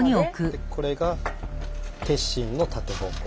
でこれが鉄心の縦方向。